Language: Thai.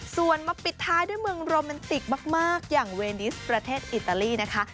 ส่วนมาปิดท้ายด้วยเมืองโรแมนติกมากอย่างเวนิสประเทศอิตาลีนะคะ